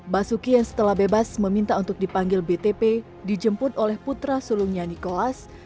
basuki yang setelah bebas meminta untuk dipanggil btp dijemput oleh putra sulungnya nikolas